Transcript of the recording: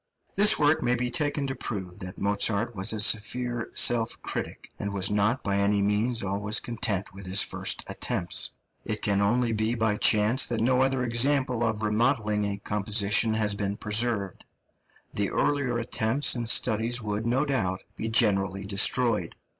This work may be taken to prove that Mozart was a severe self critic, and was not by any means always content with his first attempts. It can only be by chance that no other example of remodelling a composition has been preserved; the earlier attempts and studies would, no doubt, be generally destroyed.